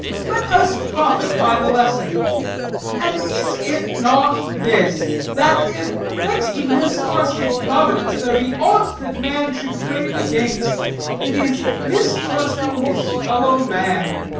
Let us profit by the lesson; and is it not this: that if, next to mistrusting Providence, there be aught that man should pray against, it is against mistrusting his fellow man.